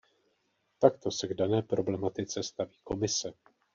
Takto se k dané problematice staví Komise.